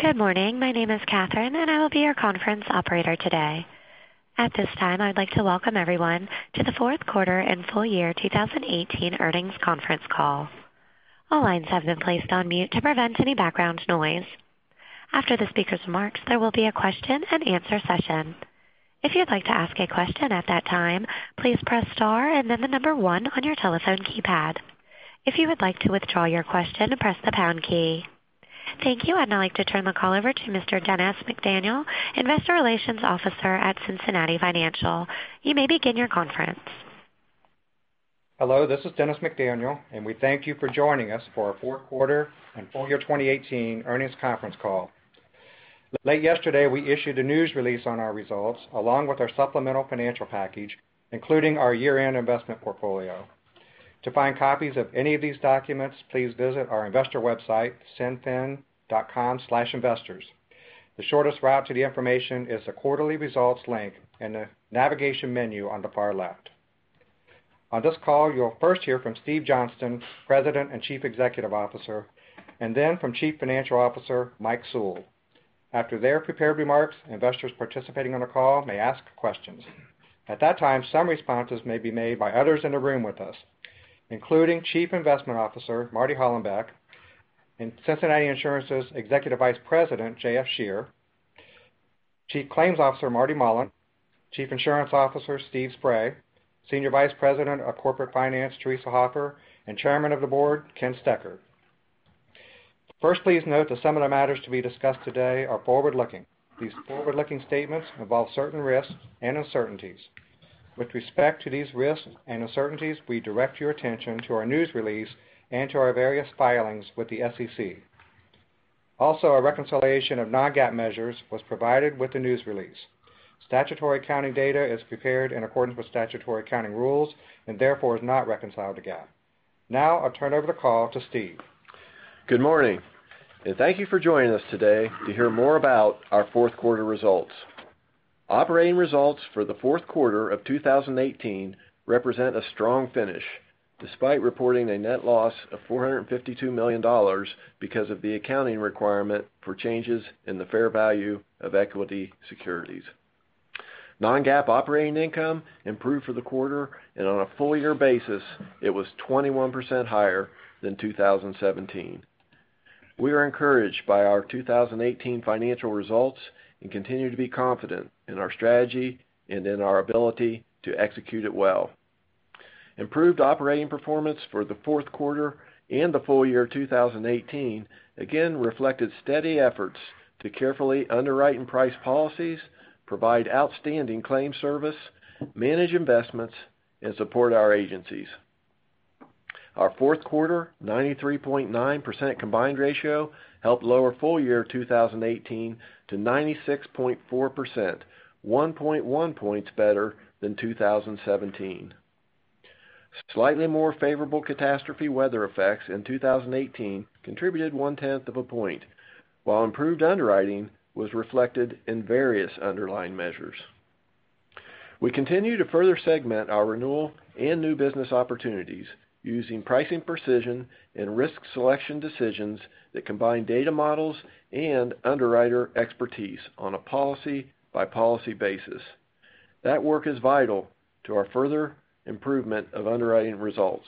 Good morning. My name is Catherine, and I will be your conference operator today. At this time, I'd like to welcome everyone to the fourth quarter and full year 2018 earnings conference call. All lines have been placed on mute to prevent any background noise. After the speaker's marks, there will be a question and answer session. If you'd like to ask a question at that time, please press star and then the number one on your telephone keypad. If you would like to withdraw your question, press the pound key. Thank you. I'd now like to turn the call over to Mr. Dennis McDaniel, Investor Relations Officer at Cincinnati Financial. You may begin your conference. Hello, this is Dennis McDaniel, and we thank you for joining us for our fourth quarter and full year 2018 earnings conference call. Late yesterday, we issued a news release on our results, along with our supplemental financial package, including our year-end investment portfolio. To find copies of any of these documents, please visit our investor website, cinfin.com/investors. The shortest route to the information is the quarterly results link in the navigation menu on the far left. On this call, you'll first hear from Steve Johnston, President and Chief Executive Officer, and then from Chief Financial Officer, Mike Sewell. After their prepared remarks, investors participating on the call may ask questions. At that time, some responses may be made by others in the room with us, including Chief Investment Officer Marty Hollenbeck, and Cincinnati Insurance's Executive Vice President, J.F. Scherer, Chief Claims Officer Marty Mullen, Chief Insurance Officer Steve Spray, Senior Vice President of Corporate Finance Teresa Hopper, and Chairman of the Board, Ken Stecher. First, please note that some of the matters to be discussed today are forward-looking. These forward-looking statements involve certain risks and uncertainties. With respect to these risks and uncertainties, we direct your attention to our news release and to our various filings with the SEC. Also, a reconciliation of non-GAAP measures was provided with the news release. Statutory accounting data is prepared in accordance with statutory accounting rules and therefore is not reconciled to GAAP. Now, I'll turn over the call to Steve. Good morning, and thank you for joining us today to hear more about our fourth quarter results. Operating results for the fourth quarter of 2018 represent a strong finish, despite reporting a net loss of $452 million because of the accounting requirement for changes in the fair value of equity securities. Non-GAAP operating income improved for the quarter, and on a full-year basis, it was 21% higher than 2017. We are encouraged by our 2018 financial results and continue to be confident in our strategy and in our ability to execute it well. Improved operating performance for the fourth quarter and the full year 2018 again reflected steady efforts to carefully underwrite and price policies, provide outstanding claim service, manage investments, and support our agencies. Our fourth quarter 93.9% combined ratio helped lower full year 2018 to 96.4%, 1.1 points better than 2017. Slightly more favorable catastrophe weather effects in 2018 contributed one-tenth of a point, while improved underwriting was reflected in various underlying measures. We continue to further segment our renewal and new business opportunities using pricing precision and risk selection decisions that combine data models and underwriter expertise on a policy-by-policy basis. That work is vital to our further improvement of underwriting results.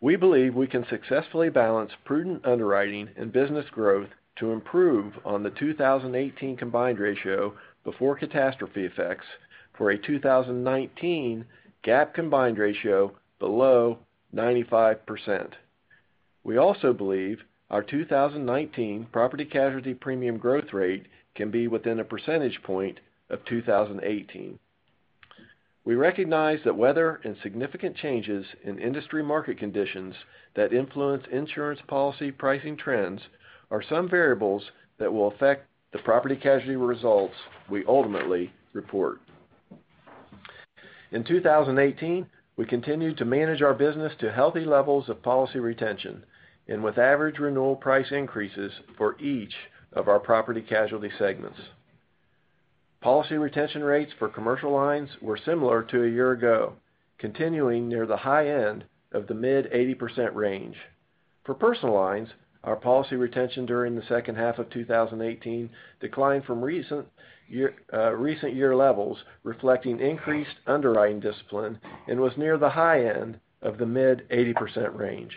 We believe we can successfully balance prudent underwriting and business growth to improve on the 2018 combined ratio before catastrophe effects for a 2019 GAAP combined ratio below 95%. We also believe our 2019 property casualty premium growth rate can be within a percentage point of 2018. We recognize that weather and significant changes in industry market conditions that influence insurance policy pricing trends are some variables that will affect the property casualty results we ultimately report. In 2018, we continued to manage our business to healthy levels of policy retention and with average renewal price increases for each of our property casualty segments. Policy retention rates for commercial lines were similar to a year ago, continuing near the high end of the mid-80% range. For personal lines, our policy retention during the second half of 2018 declined from recent year levels, reflecting increased underwriting discipline and was near the high end of the mid-80% range.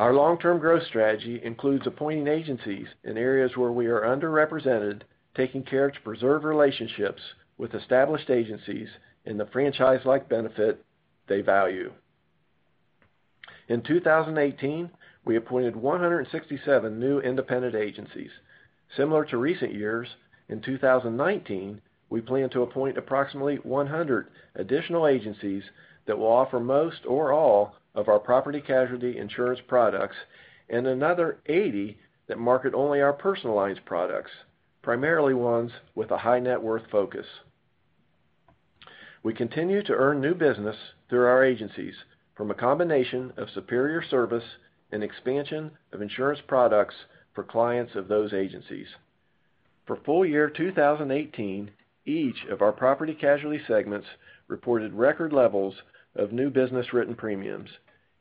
Our long-term growth strategy includes appointing agencies in areas where we are underrepresented, taking care to preserve relationships with established agencies in the franchise-like benefit they value. In 2018, we appointed 167 new independent agencies. Similar to recent years, in 2019, we plan to appoint approximately 100 additional agencies that will offer most or all of our property casualty insurance products and another 80 that market only our personal lines products, primarily ones with a high net worth focus. We continue to earn new business through our agencies from a combination of superior service and expansion of insurance products for clients of those agencies. For full year 2018, each of our property casualty segments reported record levels of new business written premiums.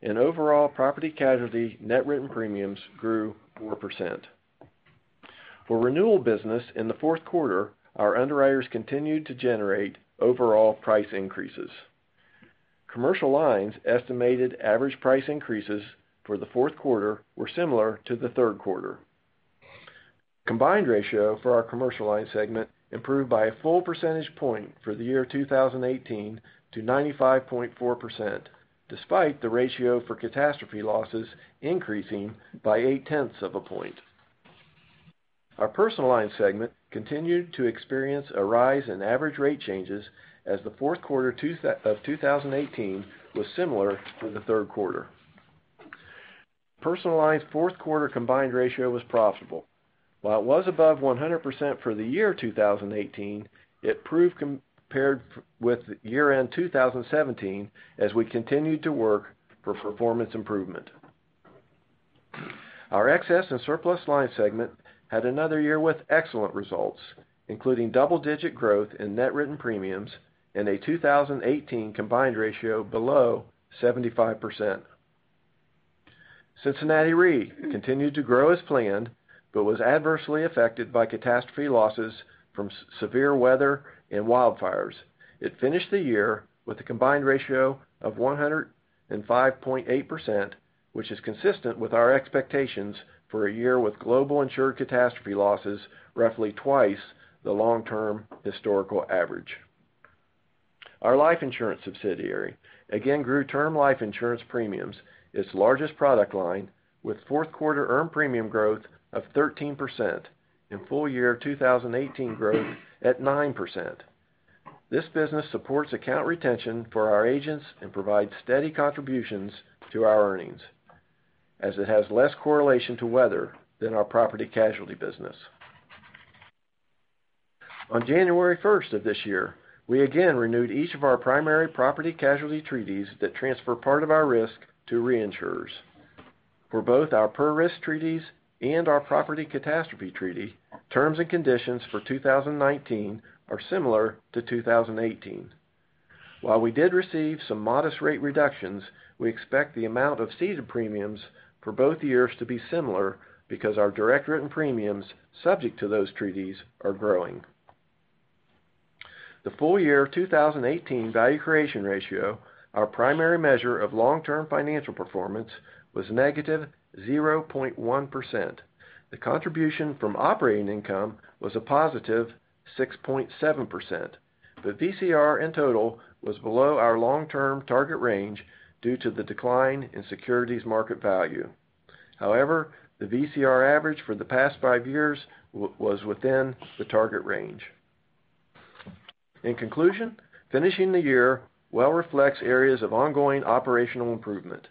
Overall property casualty net written premiums grew 4%. For renewal business in the fourth quarter, our underwriters continued to generate overall price increases. Commercial lines estimated average price increases for the fourth quarter were similar to the third quarter. Combined ratio for our commercial line segment improved by a full percentage point for the year 2018 to 95.4%, despite the ratio for catastrophe losses increasing by eight tenths of a point. Our personal line segment continued to experience a rise in average rate changes, as the fourth quarter of 2018 was similar to the third quarter. Personal lines fourth quarter combined ratio was profitable. While it was above 100% for the year 2018, it improved compared with year-end 2017, as we continued to work for performance improvement. Our excess and surplus line segment had another year with excellent results, including double-digit growth in net written premiums and a 2018 combined ratio below 75%. Cincinnati Re continued to grow as planned but was adversely affected by catastrophe losses from severe weather and wildfires. It finished the year with a combined ratio of 105.8%, which is consistent with our expectations for a year with global insured catastrophe losses roughly twice the long-term historical average. Our life insurance subsidiary again grew term life insurance premiums, its largest product line, with fourth quarter earned premium growth of 13% and full year 2018 growth at 9%. This business supports account retention for our agents and provides steady contributions to our earnings, as it has less correlation to weather than our property casualty business. On January 1st of this year, we again renewed each of our primary property casualty treaties that transfer part of our risk to reinsurers. For both our per risk treaties and our property catastrophe treaty, terms and conditions for 2019 are similar to 2018. While we did receive some modest rate reductions, we expect the amount of ceded premiums for both years to be similar because our direct written premiums subject to those treaties are growing. The full year 2018 value creation ratio, our primary measure of long-term financial performance, was negative 0.1%. The contribution from operating income was a positive 6.7%, but VCR in total was below our long-term target range due to the decline in securities market value. However, the VCR average for the past five years was within the target range. In conclusion, finishing the year well reflects areas of ongoing operational improvement.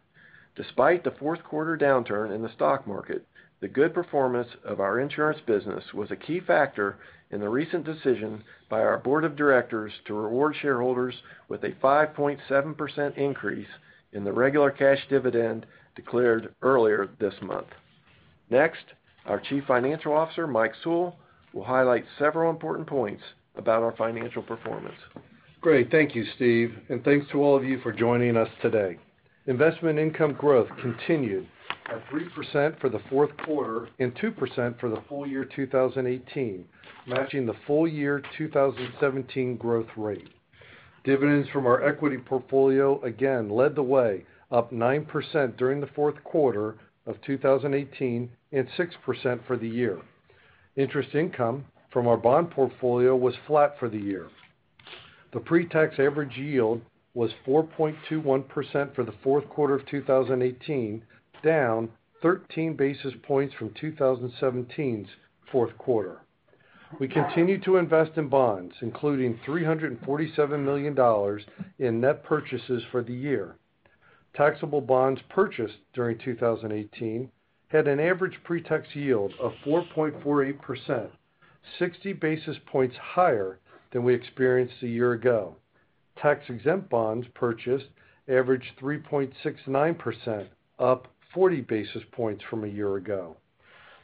Despite the fourth quarter downturn in the stock market, the good performance of our insurance business was a key factor in the recent decision by our board of directors to reward shareholders with a 5.7% increase in the regular cash dividend declared earlier this month. Next, our Chief Financial Officer, Mike Sewell, will highlight several important points about our financial performance. Great. Thank you, Steve, and thanks to all of you for joining us today. Investment income growth continued at 3% for the fourth quarter and 2% for the full year 2018, matching the full year 2017 growth rate. Dividends from our equity portfolio again led the way, up 9% during the fourth quarter of 2018 and 6% for the year. Interest income from our bond portfolio was flat for the year. The pretax average yield was 4.21% for the fourth quarter of 2018, down 13 basis points from 2017's fourth quarter. We continued to invest in bonds, including $347 million in net purchases for the year. Taxable bonds purchased during 2018 had an average pretax yield of 4.48%, 60 basis points higher than we experienced a year ago. Tax-exempt bonds purchased averaged 3.69%, up 40 basis points from a year ago.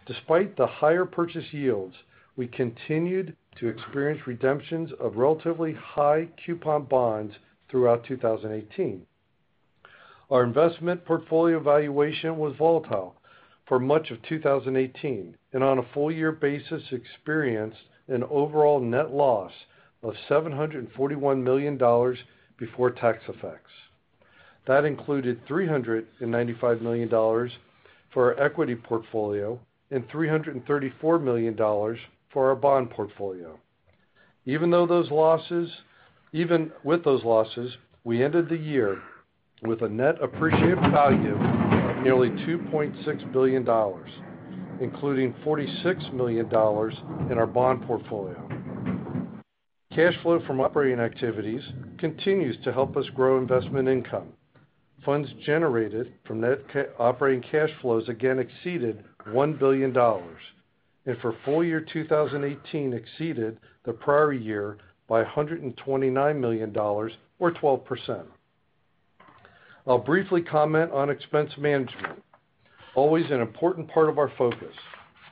Despite the higher purchase yields, we continued to experience redemptions of relatively high coupon bonds throughout 2018. Our investment portfolio valuation was volatile for much of 2018, and on a full year basis, experienced an overall net loss of $741 million before tax effects. That included $395 million for our equity portfolio and $334 million for our bond portfolio. Even with those losses, we ended the year with a net appreciative value of nearly $2.6 billion, including $46 million in our bond portfolio. Cash flow from operating activities continues to help us grow investment income. Funds generated from net operating cash flows again exceeded $1 billion, and for full year 2018 exceeded the prior year by $129 million or 12%. I'll briefly comment on expense management, always an important part of our focus.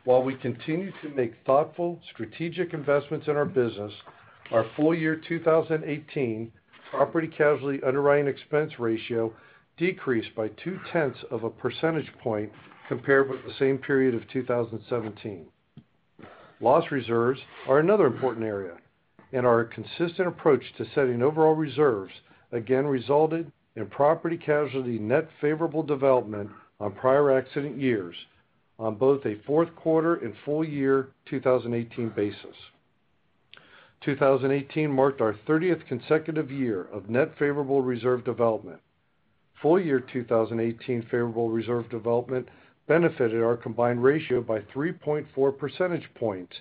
While we continue to make thoughtful, strategic investments in our business, our full year 2018 property casualty underwriting expense ratio decreased by two-tenths of a percentage point compared with the same period of 2017. Loss reserves are another important area, and our consistent approach to setting overall reserves again resulted in property casualty net favorable development on prior accident years on both a fourth quarter and full year 2018 basis. 2018 marked our 30th consecutive year of net favorable reserve development. Full year 2018 favorable reserve development benefited our combined ratio by 3.4 percentage points,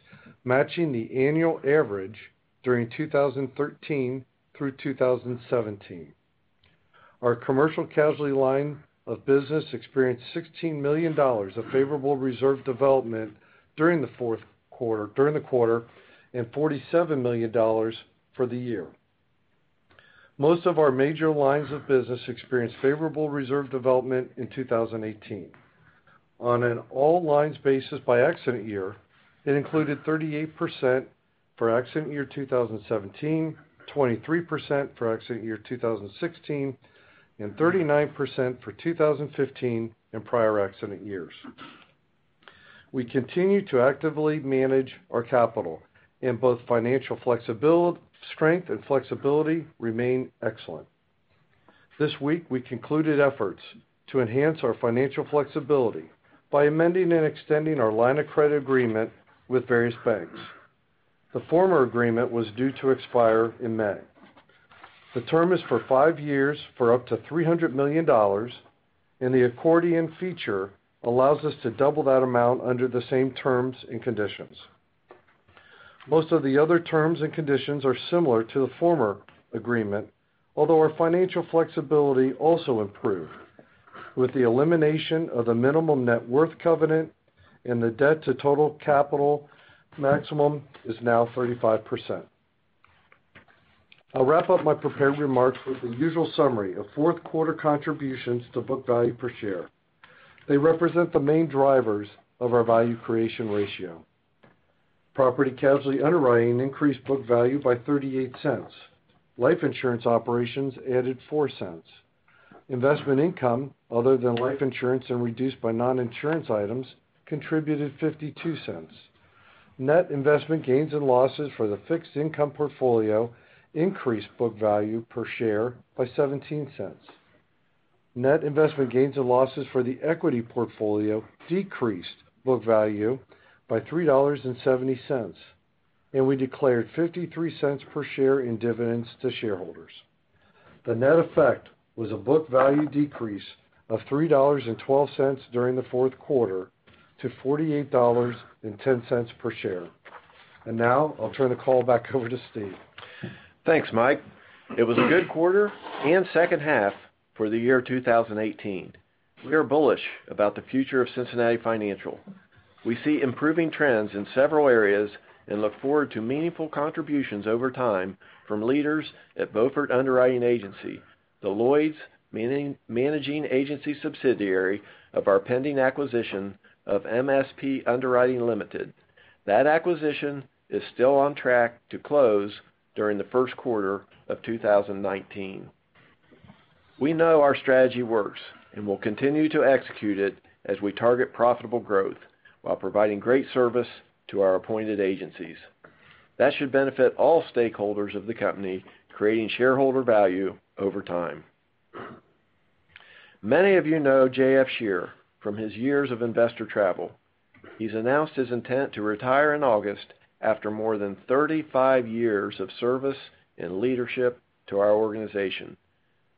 matching the annual average during 2013 through 2017. Our commercial casualty line of business experienced $16 million of favorable reserve development during the quarter, and $47 million for the year. Most of our major lines of business experienced favorable reserve development in 2018. On an all-lines basis by accident year, it included 38% for accident year 2017, 23% for accident year 2016, and 39% for 2015 and prior accident years. We continue to actively manage our capital, and both financial strength and flexibility remain excellent. This week, we concluded efforts to enhance our financial flexibility by amending and extending our line of credit agreement with various banks. The former agreement was due to expire in May. The term is for five years for up to $300 million, and the accordion feature allows us to double that amount under the same terms and conditions. Most of the other terms and conditions are similar to the former agreement, although our financial flexibility also improved with the elimination of a minimum net worth covenant, and the debt to total capital maximum is now 35%. I'll wrap up my prepared remarks with the usual summary of fourth quarter contributions to book value per share. They represent the main drivers of our value creation ratio. Property casualty underwriting increased book value by $0.38. Life insurance operations added $0.04. Investment income other than life insurance and reduced by non-insurance items contributed $0.52. Net investment gains and losses for the fixed income portfolio increased book value per share by $0.17. Net investment gains and losses for the equity portfolio decreased book value by $3.70. We declared $0.53 per share in dividends to shareholders. The net effect was a book value decrease of $3.12 during the fourth quarter to $48.10 per share. Now I'll turn the call back over to Steve. Thanks, Mike. It was a good quarter and second half for the year 2018. We are bullish about the future of Cincinnati Financial. We see improving trends in several areas and look forward to meaningful contributions over time from leaders at Beaufort Underwriting Agency, the Lloyd's managing agency subsidiary of our pending acquisition of MSP Underwriting Limited. That acquisition is still on track to close during the first quarter of 2019. We know our strategy works, and we'll continue to execute it as we target profitable growth while providing great service to our appointed agencies. That should benefit all stakeholders of the company, creating shareholder value over time. Many of you know J.F. Scherer from his years of investor travel. He's announced his intent to retire in August after more than 35 years of service and leadership to our organization.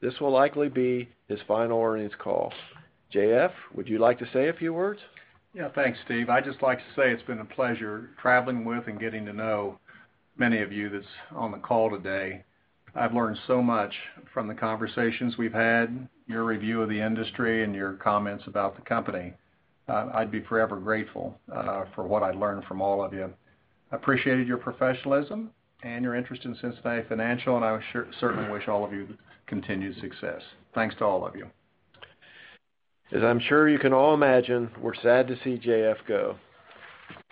This will likely be his final earnings call. J.F., would you like to say a few words? Yeah. Thanks, Steve. I'd just like to say it's been a pleasure traveling with and getting to know many of you that's on the call today. I've learned so much from the conversations we've had, your review of the industry, and your comments about the company. I'd be forever grateful for what I learned from all of you. Appreciated your professionalism and your interest in Cincinnati Financial, I certainly wish all of you continued success. Thanks to all of you. As I'm sure you can all imagine, we're sad to see J.F. go.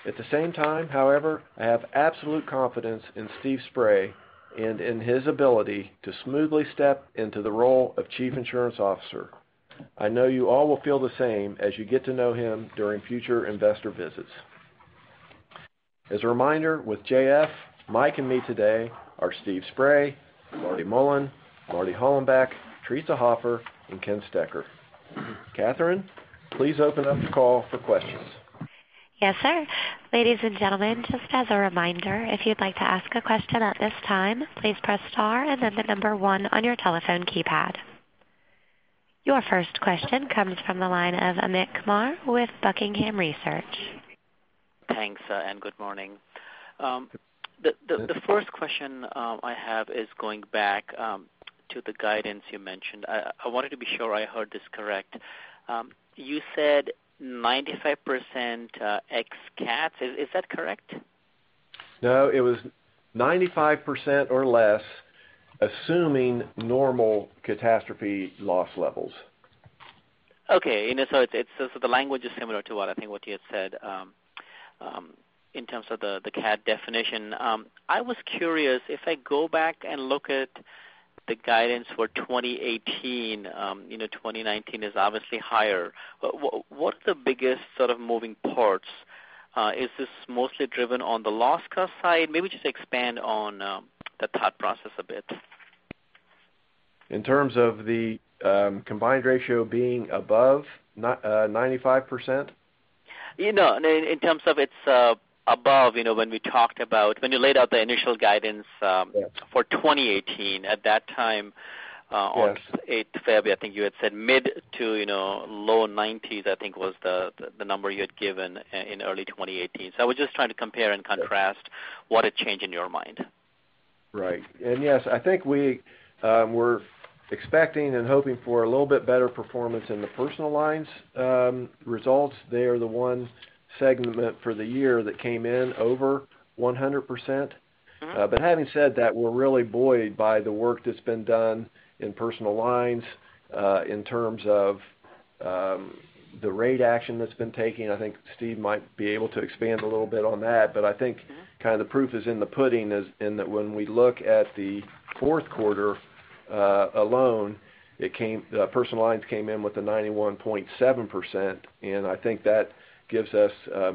At the same time, however, I have absolute confidence in Steve Spray and in his ability to smoothly step into the role of Chief Insurance Officer. I know you all will feel the same as you get to know him during future investor visits. As a reminder, with J.F., Mike, and me today are Steve Spray, Marty Mullen, Marty Hollenbeck, Teresa Hopper, and Ken Stecher. Catherine, please open up the call for questions. Yes, sir. Ladies and gentlemen, just as a reminder, if you'd like to ask a question at this time, please press star and then the number one on your telephone keypad. Your first question comes from the line of Amit Kumar with Buckingham Research. Thanks. Good morning. The first question I have is going back to the guidance you mentioned. I wanted to be sure I heard this correct. You said 95% ex cats. Is that correct? No, it was 95% or less, assuming normal catastrophe loss levels. Okay. The language is similar to what I think what you had said in terms of the cat definition. I was curious if I go back and look at the guidance for 2018, 2019 is obviously higher. What's the biggest sort of moving parts? Is this mostly driven on the loss cost side? Maybe just expand on that thought process a bit. In terms of the combined ratio being above 95%? No, in terms of it's above when you laid out the initial guidance. Yes for 2018, at that time. Yes on 8th February, I think you had said mid to low 90s, I think was the number you had given in early 2018. I was just trying to compare and contrast what had changed in your mind. Right. Yes, I think we were expecting and hoping for a little bit better performance in the personal lines results. They are the one segment for the year that came in over 100%. Having said that, we're really buoyed by the work that's been done in personal lines, in terms of the rate action that's been taken. I think Steve might be able to expand a little bit on that, but I think kind of the proof is in the pudding, is in that when we look at the fourth quarter alone, personal lines came in with a 91.7%, and I think that gives us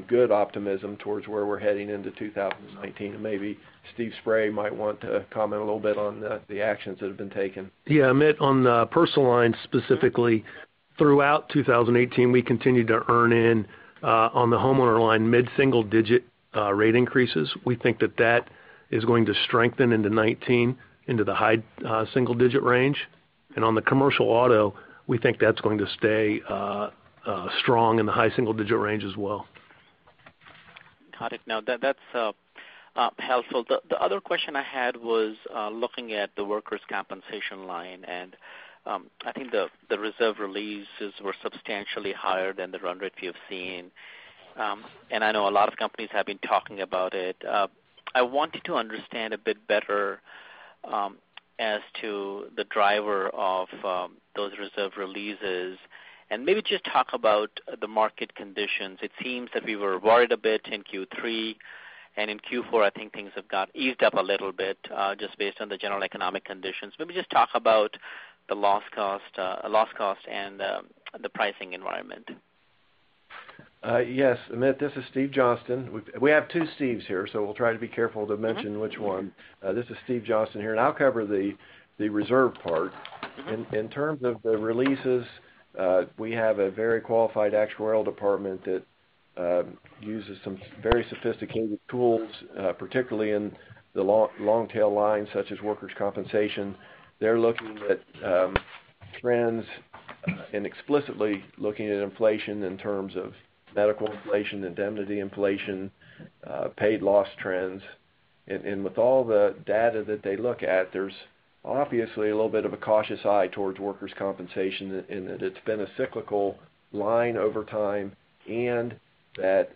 good optimism towards where we're heading into 2019. Maybe Steve Spray might want to comment a little bit on the actions that have been taken. Yeah. Amit, on personal lines specifically, throughout 2018, we continued to earn in on the homeowner line mid-single digit rate increases. We think that that is going to strengthen into 2019 into the high single-digit range. On the commercial auto, we think that's going to stay strong in the high single-digit range as well. Got it. No, that's helpful. The other question I had was looking at the workers' compensation line. I think the reserve releases were substantially higher than the run rate we have seen. I know a lot of companies have been talking about it. I wanted to understand a bit better as to the driver of those reserve releases and maybe just talk about the market conditions. It seems that we were worried a bit in Q3, and in Q4, I think things have got eased up a little bit, just based on the general economic conditions. Maybe just talk about the loss cost and the pricing environment. Yes, Amit, this is Steve Johnston. We have two Steves here, so we'll try to be careful to mention which one. This is Steve Johnston here. I'll cover the reserve part. In terms of the releases, we have a very qualified actuarial department that uses some very sophisticated tools, particularly in the long-tail lines such as workers' compensation. They're looking at trends and explicitly looking at inflation in terms of medical inflation, indemnity inflation, paid loss trends. With all the data that they look at, there's obviously a little bit of a cautious eye towards workers' compensation in that it's been a cyclical line over time and that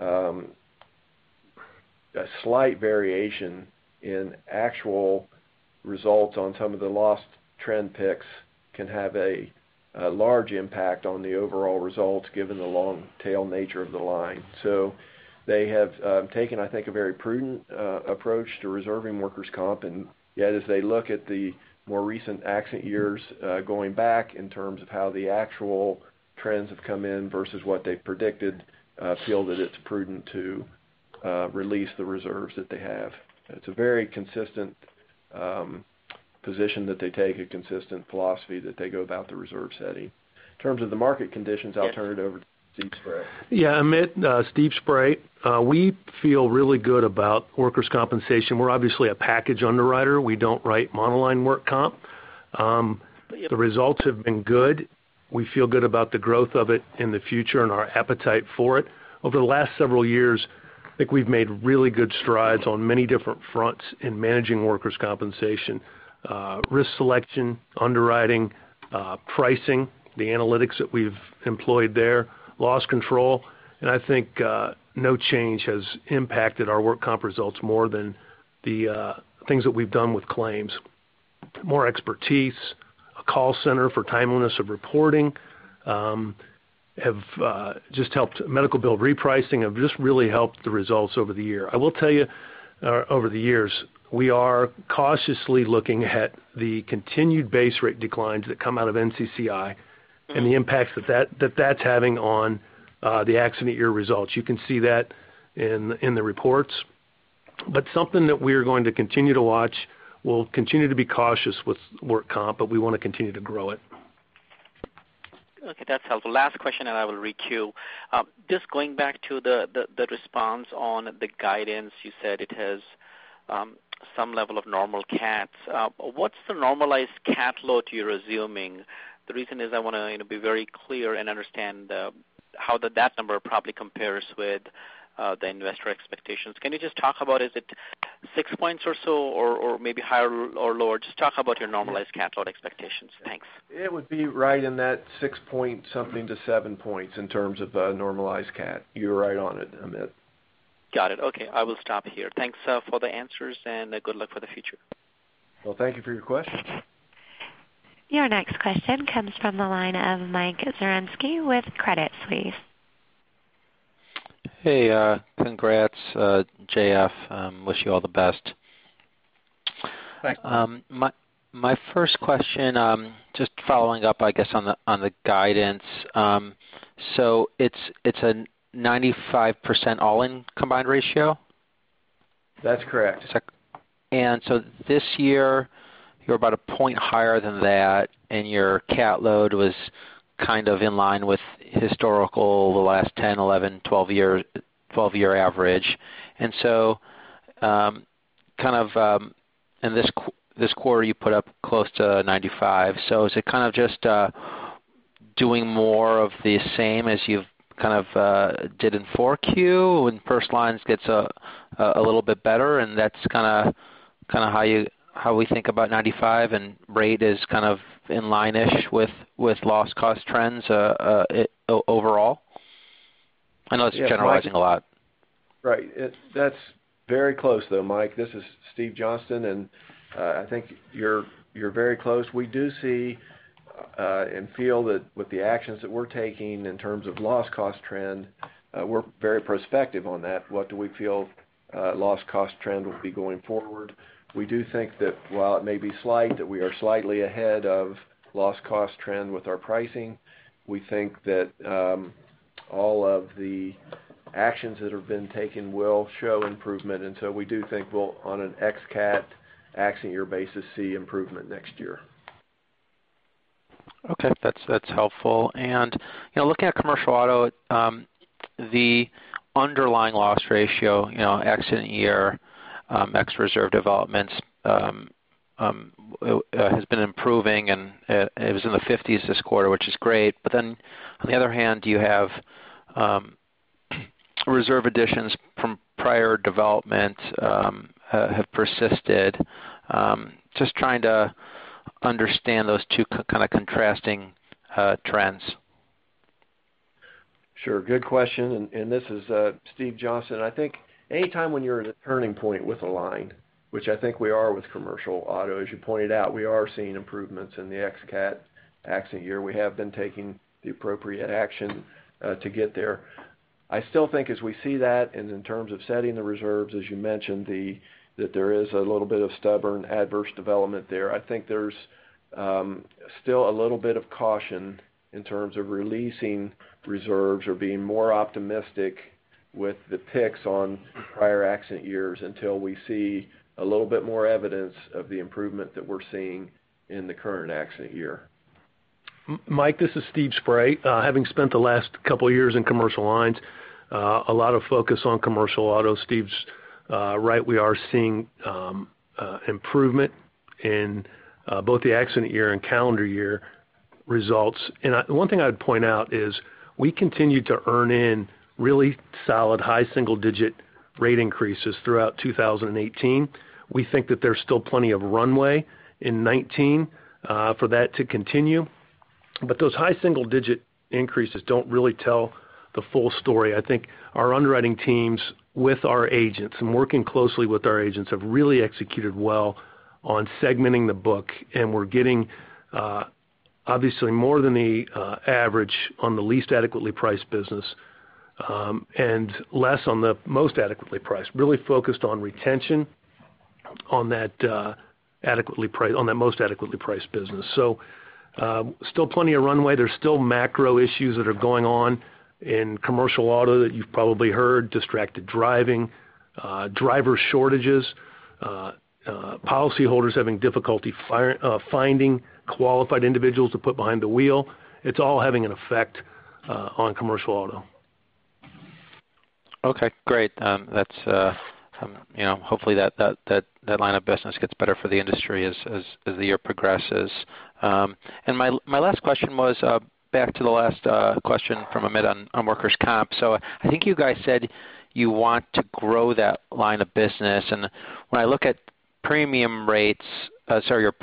a slight variation in actual results on some of the loss trend picks can have a large impact on the overall results given the long tail nature of the line. They have taken, I think, a very prudent approach to reserving workers' comp. Yet as they look at the more recent accident years going back in terms of how the actual trends have come in versus what they've predicted, feel that it's prudent to release the reserves that they have. It's a very consistent position that they take, a consistent philosophy that they go about the reserve setting. In terms of the market conditions, I'll turn it over to Steve Spray. Yeah. Amit, Steve Spray. We feel really good about workers' compensation. We're obviously a package underwriter. We don't write monoline work comp. The results have been good. We feel good about the growth of it in the future and our appetite for it. Over the last several years, I think we've made really good strides on many different fronts in managing workers' compensation. Risk selection, underwriting, pricing, the analytics that we've employed there, loss control, I think no change has impacted our work comp results more than the things that we've done with claims. More expertise, a call center for timeliness of reporting have just helped. Medical bill repricing have just really helped the results over the year. I will tell you, over the years, we are cautiously looking at the continued base rate declines that come out of NCCI and the impacts that that's having on the accident year results. You can see that in the reports. Something that we are going to continue to watch. We'll continue to be cautious with work comp, we want to continue to grow it. Okay, that's helpful. Last question, I will requeue. Just going back to the response on the guidance, you said it has some level of normal cats. What's the normalized cat load you're assuming? The reason is I want to be very clear and understand how that number probably compares with the investor expectations. Can you just talk about, is it Six points or so, or maybe higher or lower? Just talk about your normalized cat load expectations. Thanks. It would be right in that six-point-something to seven points in terms of normalized cat. You're right on it, Amit. Got it. Okay. I will stop here. Thanks for the answers, and good luck for the future. Well, thank you for your question. Your next question comes from the line of Mike Zaremski with Credit Suisse. Hey, congrats, J.F. Wish you all the best. Thanks. My first question, just following up, I guess, on the guidance. It's a 95% all-in combined ratio? That's correct. This year, you're about a point higher than that, and your cat load was kind of in line with historical, the last 10, 11, 12 year average. This quarter, you put up close to 95. Is it kind of just doing more of the same as you've kind of did in 4Q when first lines gets a little bit better, and that's how we think about 95, and rate is kind of in line-ish with loss cost trends overall? I know it's generalizing a lot. Right. That's very close though, Mike. This is Steve Johnston, I think you're very close. We do see and feel that with the actions that we're taking in terms of loss cost trend, we're very prospective on that. What do we feel loss cost trend will be going forward? We do think that while it may be slight, that we are slightly ahead of loss cost trend with our pricing. We think that all of the actions that have been taken will show improvement, we do think we'll, on an x cat accident year basis, see improvement next year. Okay. That's helpful. Looking at commercial auto, the underlying loss ratio, accident year, ex reserve developments has been improving, it was in the 50s this quarter, which is great. On the other hand, you have reserve additions from prior development have persisted. Just trying to understand those two kind of contrasting trends. Sure. Good question. This is Steve Johnston. I think any time when you're at a turning point with a line, which I think we are with commercial auto, as you pointed out, we are seeing improvements in the ex cat accident year. We have been taking the appropriate action to get there. I still think as we see that and in terms of setting the reserves, as you mentioned, that there is a little bit of stubborn adverse development there. I think there's still a little bit of caution in terms of releasing reserves or being more optimistic with the picks on prior accident years until we see a little bit more evidence of the improvement that we're seeing in the current accident year. Mike, this is Steve Spray. Having spent the last couple of years in commercial lines, a lot of focus on commercial auto. Steve's right. We are seeing improvement in both the accident year and calendar year results. One thing I'd point out is we continue to earn in really solid high single-digit rate increases throughout 2018. We think that there's still plenty of runway in 2019 for that to continue, those high single-digit increases don't really tell the full story. I think our underwriting teams with our agents and working closely with our agents have really executed well on segmenting the book, we're getting obviously more than the average on the least adequately priced business, and less on the most adequately priced. Really focused on retention on that most adequately priced business. Still plenty of runway. There's still macro issues that are going on in commercial auto that you've probably heard, distracted driving, driver shortages, policyholders having difficulty finding qualified individuals to put behind the wheel. It's all having an effect on commercial auto. Okay, great. Hopefully that line of business gets better for the industry as the year progresses. My last question was back to the last question from Amit on workers' comp. I think you guys said you want to grow that line of business, and when I look at your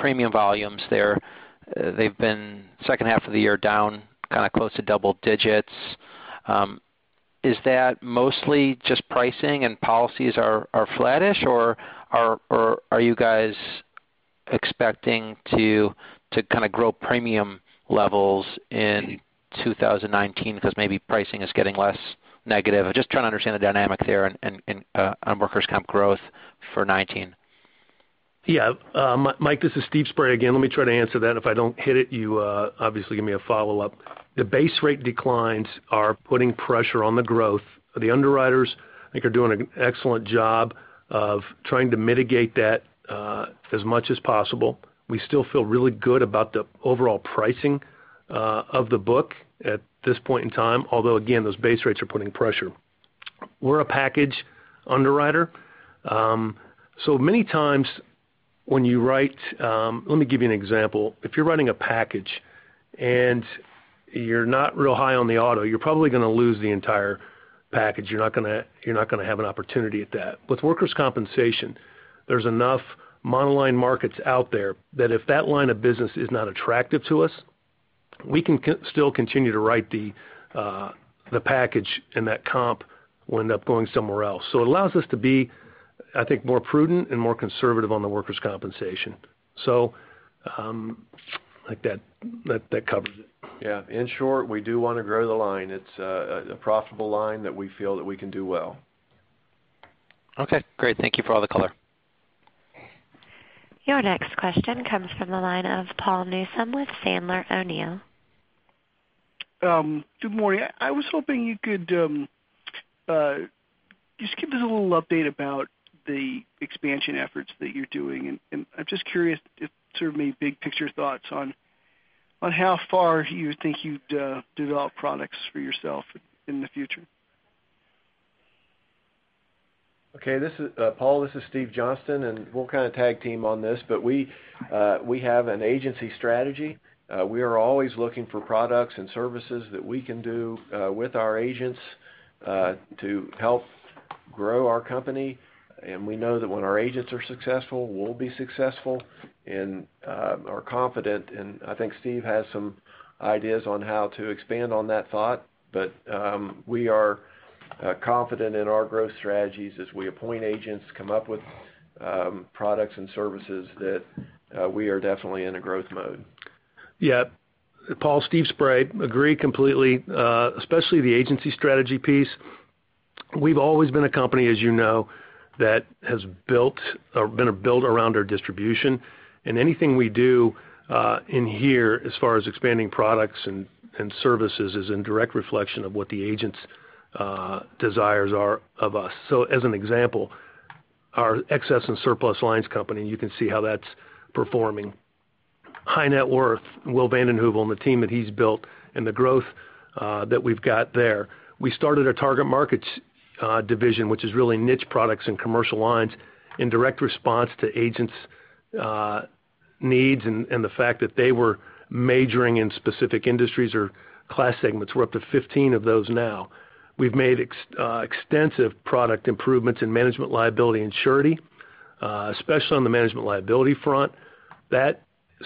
premium volumes there, they've been second half of the year down kind of close to double digits. Is that mostly just pricing and policies are flattish, or are you guys expecting to grow premium levels in 2019 because maybe pricing is getting less negative? I'm just trying to understand the dynamic there on workers' comp growth for 2019. Yeah. Mike, this is Steve Spray again. Let me try to answer that. If I don't hit it, you obviously give me a follow-up. The base rate declines are putting pressure on the growth. The underwriters, I think, are doing an excellent job of trying to mitigate that as much as possible. We still feel really good about the overall pricing of the book at this point in time. Although again, those base rates are putting pressure. We're a package underwriter. Many times, let me give you an example. If you're writing a package and you're not real high on the auto, you're probably going to lose the entire package. You're not going to have an opportunity at that. With workers' compensation, there's enough monoline markets out there, that if that line of business is not attractive to us, we can still continue to write the package, and that comp will end up going somewhere else. It allows us to be, I think, more prudent and more conservative on the workers' compensation. I think that covers it. Yeah. In short, we do want to grow the line. It's a profitable line that we feel that we can do well. Okay, great. Thank you for all the color. Your next question comes from the line of Paul Newsome with Sandler O'Neill. Good morning. I was hoping you could just give us a little update about the expansion efforts that you're doing. I'm just curious if, sort of, maybe big picture thoughts on how far you think you'd develop products for yourself in the future. Paul, this is Steve Johnston. We'll kind of tag team on this. We have an agency strategy. We are always looking for products and services that we can do with our agents, to help grow our company. We know that when our agents are successful, we'll be successful and are confident. I think Steve has some ideas on how to expand on that thought. We are confident in our growth strategies as we appoint agents to come up with products and services that we are definitely in a growth mode. Paul, Steve Spray. Agree completely, especially the agency strategy piece. We've always been a company, as you know, that has been built around our distribution. Anything we do in here as far as expanding products and services is in direct reflection of what the agents' desires are of us. As an example, our excess and surplus lines company, you can see how that's performing. High net worth, Will Van Den Heuvel and the team that he's built and the growth that we've got there. We started a target markets division, which is really niche products and commercial lines in direct response to agents' needs and the fact that they were majoring in specific industries or class segments. We're up to 15 of those now. We've made extensive product improvements in management liability and surety, especially on the management liability front. That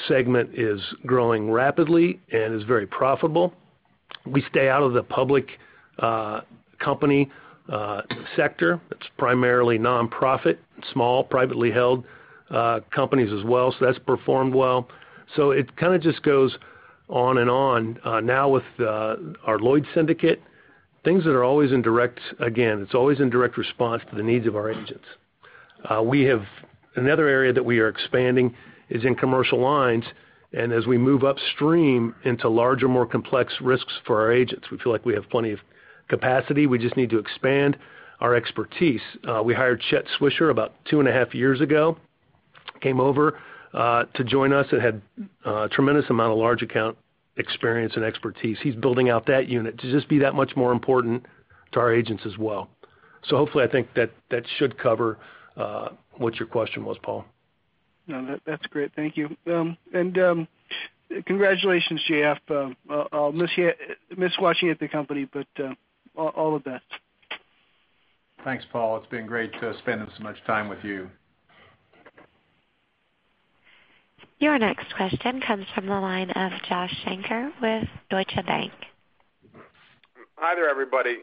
segment is growing rapidly and is very profitable. We stay out of the public company sector. It's primarily nonprofit, small, privately held companies as well. That's performed well. It kind of just goes on and on. Now with our Lloyd's syndicate, things that are always in direct response to the needs of our agents. Another area that we are expanding is in commercial lines. As we move upstream into larger, more complex risks for our agents, we feel like we have plenty of capacity. We just need to expand our expertise. We hired Chet Swisher about two and a half years ago, came over to join us and had a tremendous amount of large account experience and expertise. He's building out that unit to just be that much more important to our agents as well. Hopefully, I think that should cover what your question was, Paul. No, that's great. Thank you. Congratulations, J.F. I'll miss watching you at the company, all the best. Thanks, Paul. It's been great spending so much time with you. Your next question comes from the line of Josh Shanker with Deutsche Bank. Hi there, everybody.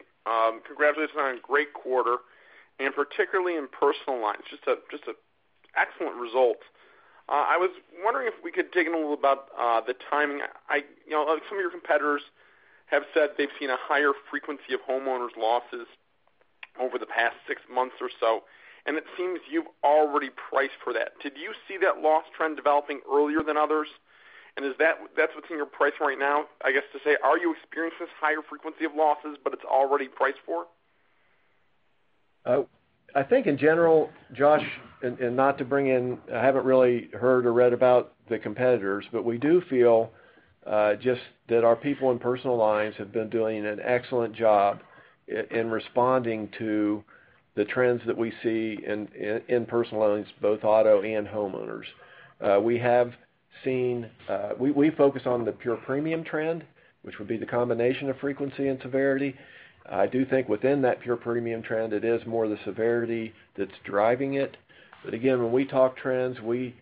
Congratulations on a great quarter, particularly in personal lines. Just an excellent result. I was wondering if we could dig in a little about the timing. Some of your competitors have said they've seen a higher frequency of homeowners' losses over the past six months or so, and it seems you've already priced for that. Did you see that loss trend developing earlier than others? That's what's in your price right now? I guess to say, are you experiencing this higher frequency of losses, it's already priced for? I think in general, Josh, not to bring in-- I haven't really heard or read about the competitors, but we do feel just that our people in personal lines have been doing an excellent job in responding to the trends that we see in personal lines, both auto and homeowners. We focus on the pure premium trend, which would be the combination of frequency and severity. I do think within that pure premium trend, it is more the severity that's driving it. Again, when we talk trends, we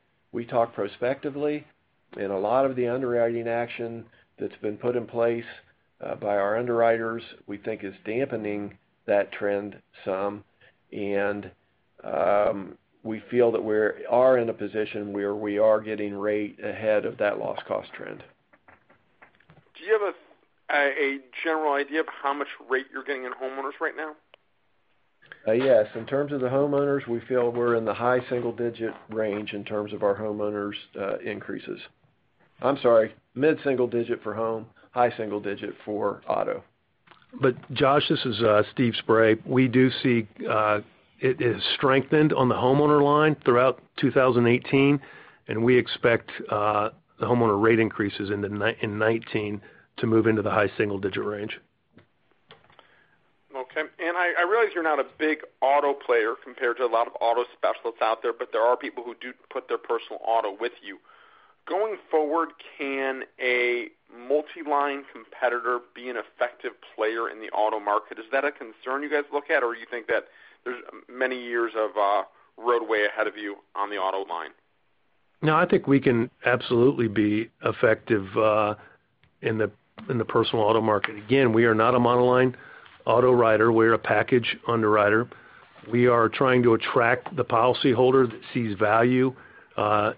talk prospectively, and a lot of the underwriting action that's been put in place by our underwriters, we think is dampening that trend some. We feel that we are in a position where we are getting rate ahead of that loss cost trend. Do you have a general idea of how much rate you're getting in homeowners right now? Yes. In terms of the homeowners, we feel we're in the high single-digit range in terms of our homeowners increases. I'm sorry, mid-single-digit for home, high single-digit for auto. Josh, this is Steve Spray. We do see it has strengthened on the homeowner line throughout 2018. We expect the homeowner rate increases in 2019 to move into the high single-digit range. Okay. I realize you're not a big auto player compared to a lot of auto specialists out there, but there are people who do put their personal auto with you. Going forward, can a multi-line competitor be an effective player in the auto market? Is that a concern you guys look at, or you think that there's many years of roadway ahead of you on the auto line? I think we can absolutely be effective in the personal auto market. Again, we are not a monoline auto writer. We're a package underwriter. We are trying to attract the policyholder that sees value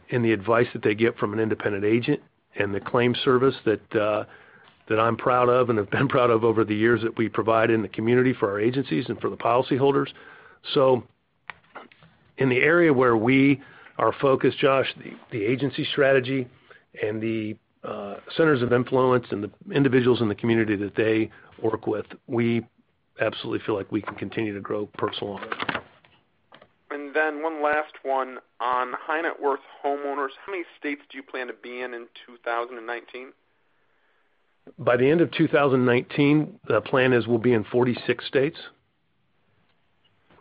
in the advice that they get from an independent agent, and the claim service that I'm proud of and have been proud of over the years that we provide in the community for our agencies and for the policyholders. In the area where we are focused, Josh, the agency strategy, and the centers of influence, and the individuals in the community that they work with, we absolutely feel like we can continue to grow personal auto. One last one on high net worth homeowners. How many states do you plan to be in 2019? By the end of 2019, the plan is we'll be in 46 states.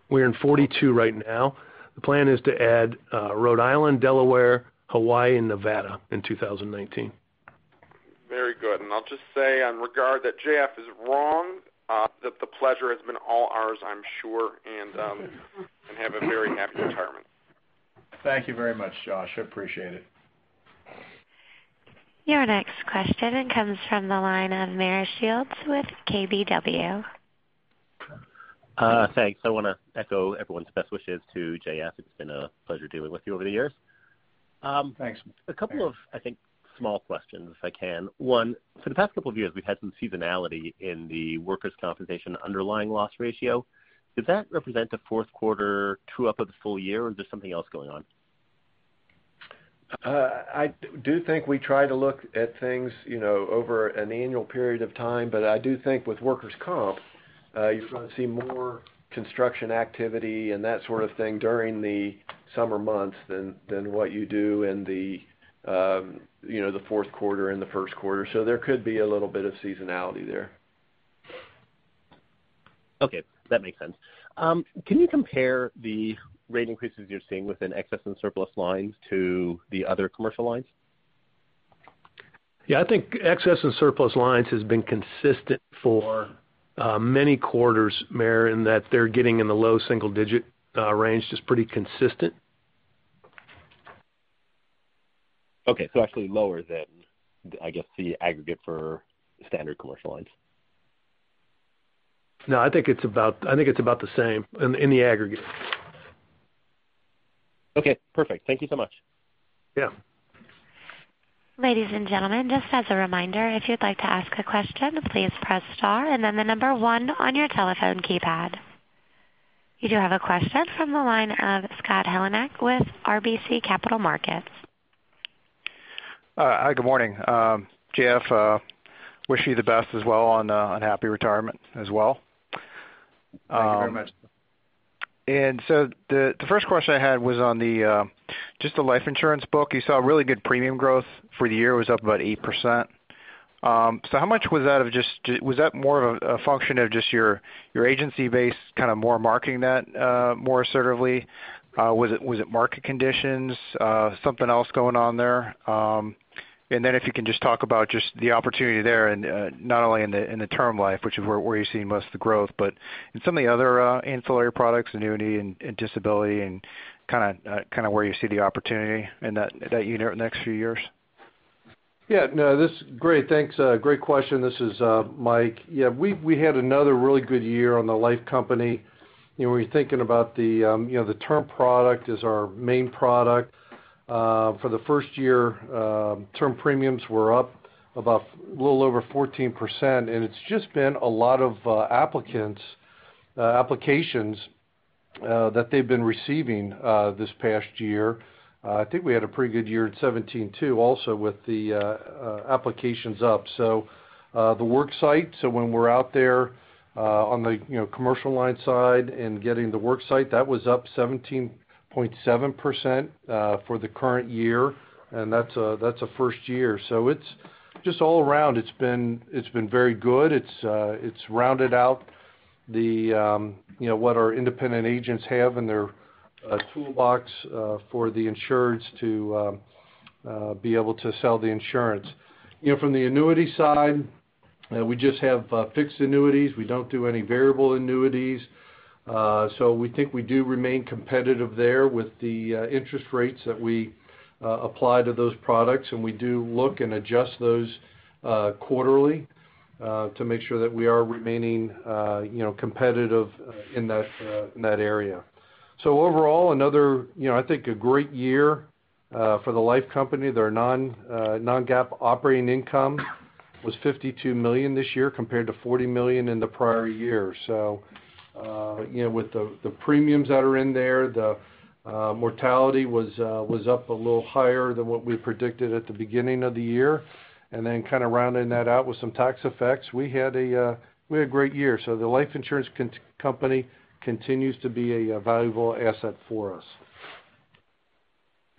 We're in 42 right now. The plan is to add Rhode Island, Delaware, Hawaii, and Nevada in 2019. Very good. I'll just say on regard that J.F. is wrong, that the pleasure has been all ours I'm sure, have a very happy retirement. Thank you very much, Josh. I appreciate it. Your next question comes from the line of Meyer Shields with KBW. Thanks. I want to echo everyone's best wishes to J.F. It's been a pleasure dealing with you over the years. Thanks. A couple of, I think, small questions, if I can. One, for the past couple of years, we've had some seasonality in the workers' compensation underlying loss ratio. Does that represent a fourth quarter true up of the full year, or is there something else going on? I do think we try to look at things over an annual period of time. I do think with workers' comp, you're going to see more construction activity and that sort of thing during the summer months than what you do in the fourth quarter and the first quarter. There could be a little bit of seasonality there. Okay. That makes sense. Can you compare the rate increases you're seeing within excess and surplus lines to the other commercial lines? Yeah, I think excess and surplus lines has been consistent for many quarters, Meyer, in that they're getting in the low single-digit range is pretty consistent. Okay, actually lower than, I guess, the aggregate for standard commercial lines. No, I think it's about the same in the aggregate. Okay, perfect. Thank you so much. Yeah. Ladies and gentlemen, just as a reminder, if you'd like to ask a question, please press star and then the number one on your telephone keypad. You do have a question from the line of Scott Heleniak with RBC Capital Markets. Hi, good morning. J.F., wish you the best as well, and a happy retirement as well. Thank you very much. The first question I had was on the, just the life insurance book. You saw really good premium growth for the year, it was up about 8%. How much was that more of a function of just your agency base kind of more marketing that more assertively? Was it market conditions? Something else going on there? If you can just talk about just the opportunity there and not only in the term life, which is where you're seeing most of the growth, but in some of the other ancillary products, annuity and disability, and kind of where you see the opportunity in that unit in the next few years. This is great. Thanks. Great question. This is Mike. We had another really good year on the life company. When you're thinking about the term product is our main product. For the first year, term premiums were up about a little over 14%, and it's just been a lot of applications that they've been receiving this past year. I think we had a pretty good year at 2017 too, also with the applications up. The work site, when we're out there on the commercial line side and getting the work site, that was up 17.7% for the current year, and that's a first year. It's just all around, it's been very good. It's rounded out what our independent agents have in their toolbox for the insureds to be able to sell the insurance. From the annuity side, we just have fixed annuities. We don't do any variable annuities. We think we do remain competitive there with the interest rates that we apply to those products, and we do look and adjust those quarterly to make sure that we are remaining competitive in that area. Overall, another, I think, a great year for the life company. Their non-GAAP operating income was $52 million this year compared to $40 million in the prior year. With the premiums that are in there, the mortality was up a little higher than what we predicted at the beginning of the year. Kind of rounding that out with some tax effects, we had a great year. The life insurance company continues to be a valuable asset for us.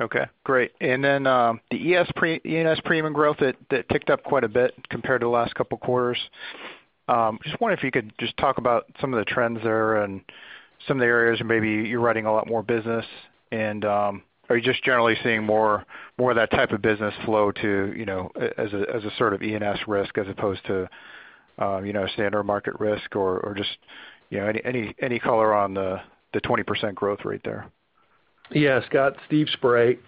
Okay, great. The E&S premium growth that ticked up quite a bit compared to the last couple quarters. Just wonder if you could just talk about some of the trends there and some of the areas where maybe you're writing a lot more business, and are you just generally seeing more of that type of business flow as a sort of E&S risk as opposed to standard market risk? Or just any color on the 20% growth rate there? Yeah, Scott, Steve Spray.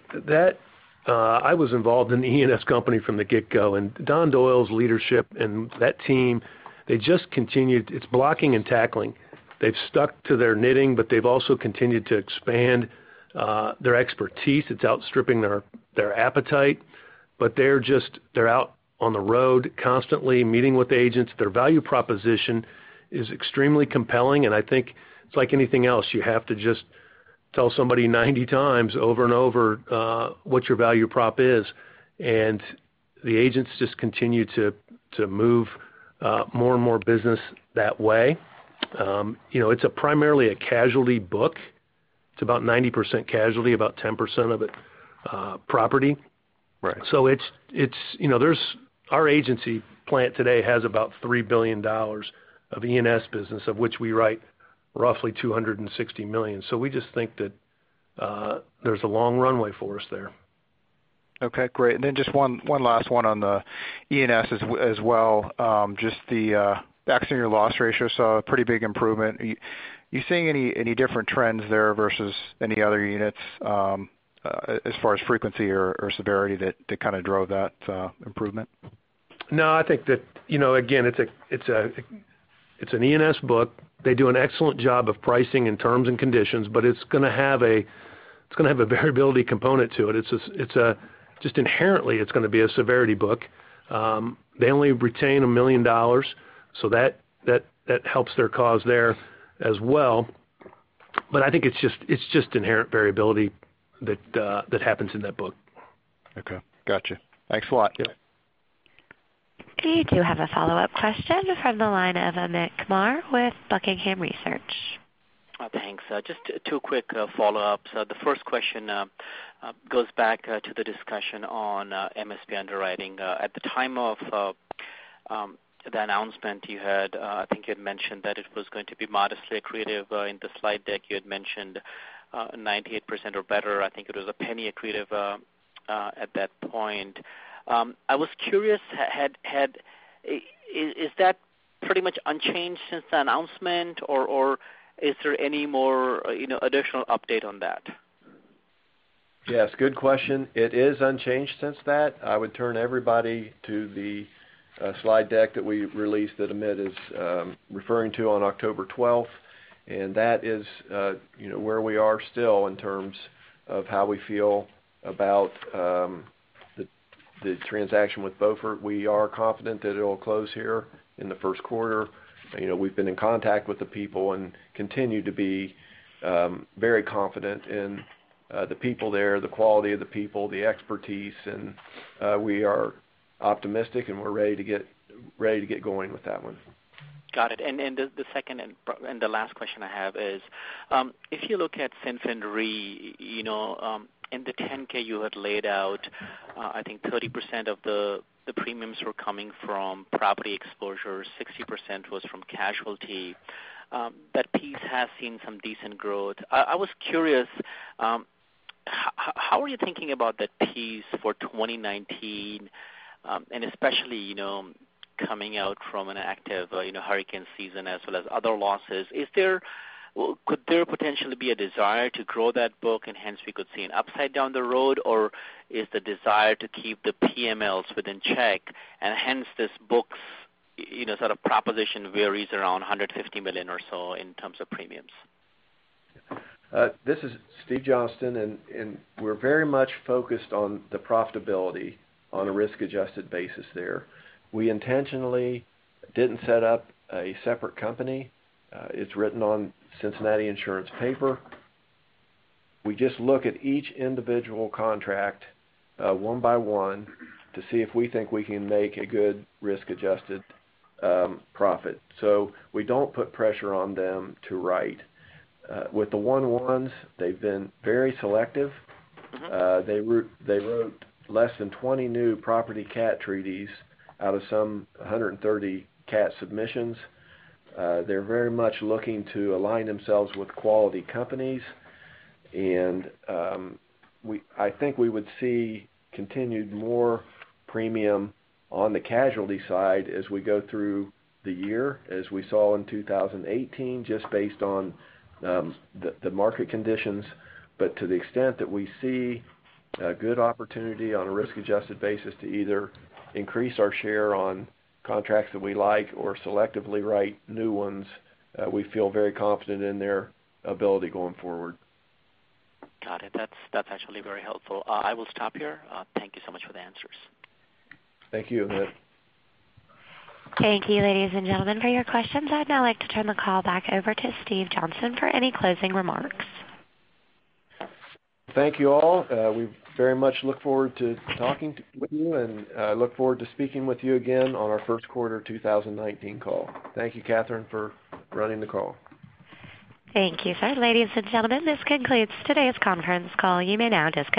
I was involved in the E&S company from the get-go. Don Doyle's leadership and that team, they just continued. It's blocking and tackling. They've stuck to their knitting, they've also continued to expand their expertise. It's outstripping their appetite, they're out on the road constantly meeting with agents. Their value proposition is extremely compelling, I think it's like anything else, you have to just tell somebody 90 times over and over what your value prop is. The agents just continue to move more and more business that way. It's primarily a casualty book. It's about 90% casualty, about 10% of it property. Right. Our agency plant today has about $3 billion of E&S business, of which we write roughly $260 million. We just think that there's a long runway for us there. Okay, great. Just one last one on the E&S as well. The accident year loss ratio saw a pretty big improvement. You seeing any different trends there versus any other units as far as frequency or severity that kind of drove that improvement? No, I think that, again, it's an E&S book. They do an excellent job of pricing and terms and conditions, but it's going to have a variability component to it. Inherently, it's going to be a severity book. They only retain $1 million, so that helps their cause there as well. I think it's just inherent variability that happens in that book. Okay, got you. Thanks a lot. Yeah. You do have a follow-up question from the line of Amit Kumar with Buckingham Research. Thanks. Just two quick follow-ups. The first question goes back to the discussion on MSP Underwriting. At the time of the announcement, I think you had mentioned that it was going to be modestly accretive. In the slide deck, you had mentioned 98% or better. I think it was $0.01 accretive at that point. I was curious, is that pretty much unchanged since the announcement, or is there any more additional update on that? Yes, good question. It is unchanged since that. I would turn everybody to the slide deck that we released that Amit is referring to on October 12th. That is where we are still in terms of how we feel about the transaction with Beaufort. We are confident that it'll close here in the first quarter. We've been in contact with the people, continue to be very confident in the people there, the quality of the people, the expertise. We are optimistic, we're ready to get going with that one. Got it. The second and the last question I have is, if you look at Cincinnati Re, in the 10-K you had laid out, I think 30% of the premiums were coming from property exposure, 60% was from casualty. That piece has seen some decent growth. I was curious, how are you thinking about that piece for 2019? Especially, coming out from an active hurricane season as well as other losses, could there potentially be a desire to grow that book and hence we could see an upside down the road? Or is the desire to keep the PMLs within check and hence this book's sort of proposition varies around $150 million or so in terms of premiums? This is Steven J. Johnston. We're very much focused on the profitability on a risk-adjusted basis there. We intentionally didn't set up a separate company. It's written on Cincinnati Insurance paper. We just look at each individual contract one by one to see if we think we can make a good risk-adjusted profit. We don't put pressure on them to write. With the 11s, they've been very selective. They wrote less than 20 new property cat treaties out of some 130 cat submissions. They're very much looking to align themselves with quality companies. I think we would see continued more premium on the casualty side as we go through the year, as we saw in 2018, just based on the market conditions. To the extent that we see a good opportunity on a risk-adjusted basis to either increase our share on contracts that we like or selectively write new ones, we feel very confident in their ability going forward. Got it. That's actually very helpful. I will stop here. Thank you so much for the answers. Thank you, Amit. Thank you, ladies and gentlemen, for your questions. I'd now like to turn the call back over to Steve Johnston for any closing remarks. Thank you all. We very much look forward to talking with you, and I look forward to speaking with you again on our first quarter 2019 call. Thank you, Catherine, for running the call. Thank you, sir. Ladies and gentlemen, this concludes today's conference call. You may now disconnect.